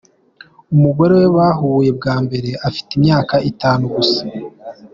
Umugore we bahuye bwa mbere afite imyaka itanu gusa.